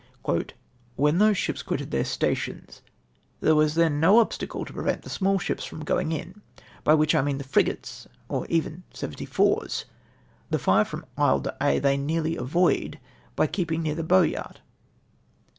" When those ships quitted their stations there was then no obstacle to prevent the small ships from going in; by which I mean the frigates, or even seventy fours. The fire from Isle d'Aix they nearly avoid by keeping near the Boyart."